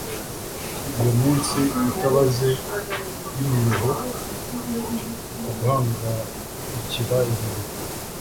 iyo minsi itabaze y'imiruho, uko guhangayikira ibintu